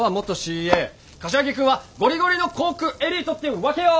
柏木君はゴリゴリの航空エリートってわけよ！